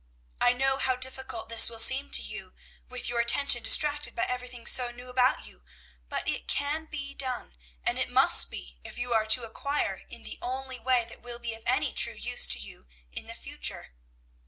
I know how difficult this will seem to you, with your attention distracted by everything so new about you; but it can be done, and it must be if you are to acquire in the only way that will be of any true use to you in the future.